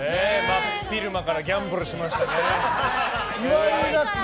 真昼間からギャンブルしましたね。